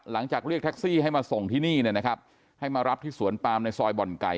เรียกแท็กซี่ให้มาส่งที่นี่เนี่ยนะครับให้มารับที่สวนปามในซอยบ่อนไก่